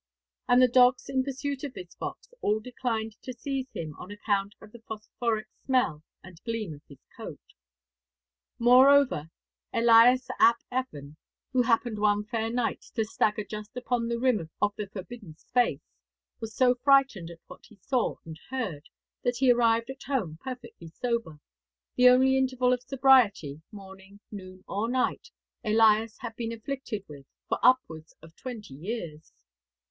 And the dogs in pursuit of this fox all declined to seize him, on account of the phosphoric smell and gleam of his coat. Moreover, 'Elias ap Evan, who happened one fair night to stagger just upon the rim of the forbidden space,' was so frightened at what he saw and heard that he arrived at home perfectly sober, 'the only interval of sobriety, morning, noon, or night, Elias had been afflicted with for upwards of twenty years.'